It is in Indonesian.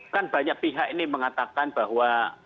kan banyak pihak ini mengatakan bahwa